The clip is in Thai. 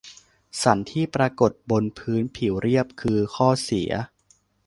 สันที่ปรากฏบนพื้นผิวเรียบ คือ ข้อเสีย